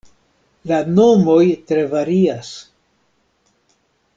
La nomoj tre varias.